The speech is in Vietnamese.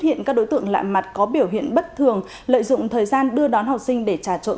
hiện các đối tượng lạ mặt có biểu hiện bất thường lợi dụng thời gian đưa đón học sinh để trà trộn